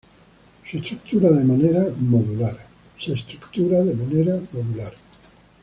Se estructura de manera "modular".